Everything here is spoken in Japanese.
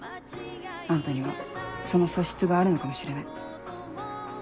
あんたにはその素質があるのかもしれない。